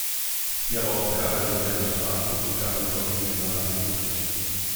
Hierauf begab er sich wieder nach Straßburg und gab am dortigen Gymnasium Unterricht.